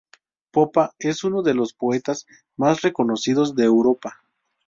Popa es uno de los poetas más reconocidos de Europa.